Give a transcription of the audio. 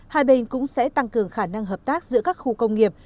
hai bên cũng sẽ tăng cường khả năng hợp tác giữa các khu công nghiệp